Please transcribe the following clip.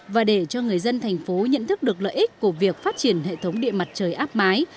và để cho người dân thành phố nhận thức được lợi ích của việc phát triển hệ thống điện mặt trời áp mái